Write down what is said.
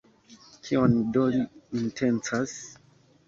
Kion do li intencas?